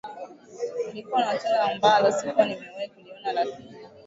Kulikuwa na tunda ambalo sikuwa nimewahi kuliona lakini